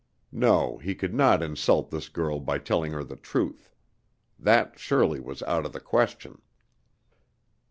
No, he could not insult this girl by telling her the truth. That surely was out of the question.